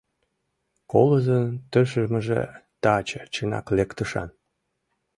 Колызын тыршымыже таче, чынак, лектышан.